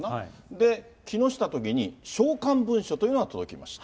で、木下都議に召喚文書というのが届きました。